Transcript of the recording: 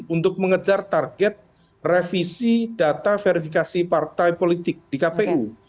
untuk mengejar target revisi data verifikasi partai politik di kpu